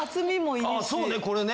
ああそうねこれね。